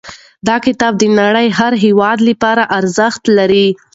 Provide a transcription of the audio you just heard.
دا کتاب د نړۍ د هر هېواد لپاره ارزښت لري.